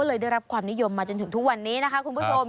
ได้รับความนิยมมาจนถึงทุกวันนี้นะคะคุณผู้ชม